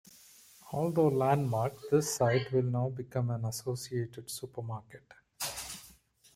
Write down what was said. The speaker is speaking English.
Although landmarked, this site will now become an Associated supermarket.